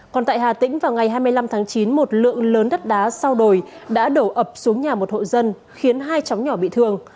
còn tại hà tĩnh vào ngày hai mươi năm tháng chín một lượng lớn đất đá sau đồi đã đổ ập xuống nhà một hộ dân khiến hai cháu nhỏ bị thương